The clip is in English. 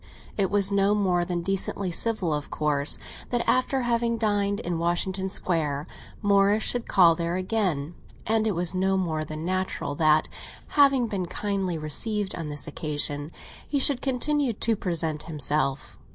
It was no more than decently civil, of course, that after having dined in Washington Square, Morris should call there again; and it was no more than natural that, having been kindly received on this occasion, he should continue to present himself.